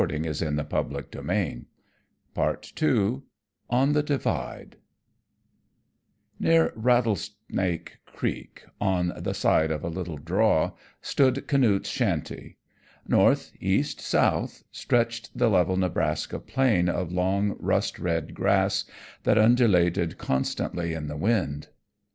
The Mahogany Tree, May 21, 1892 On the Divide Near Rattlesnake Creek, on the side of a little draw stood Canute's shanty. North, east, south, stretched the level Nebraska plain of long rust red grass that undulated constantly in the wind.